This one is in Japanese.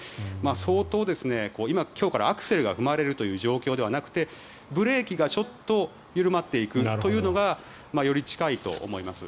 相当、今日からアクセルが踏まれるという状況ではなくてブレーキがちょっと緩まっていくというのがより近いと思います。